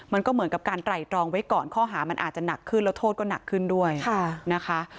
มันก็เหมือนกับการไตรตรองไว้ก่อนข้อหามันอาจจะหนักขึ้นแล้วโทษก็หนักขึ้นด้วยนะคะ